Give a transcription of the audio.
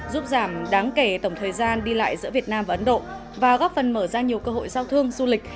giúp giảm đáng kể tổng thời gian đi lại giữa việt nam và ấn độ và góp phần mở ra nhiều cơ hội giao thương du lịch